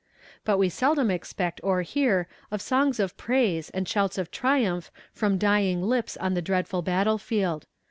But we seldom expect or hear of songs of praise and shouts of triumph from dying lips on the dreadful battle field.